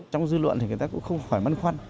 trong dư luận thì người ta cũng không phải măn khoăn